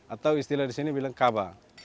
atau istilah di sini bilang kaba